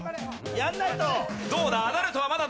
どうだ？